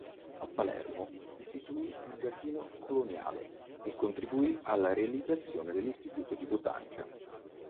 A Palermo istituì un "Giardino Coloniale" e contribuì alla realizzazione dell'Istituto di botanica.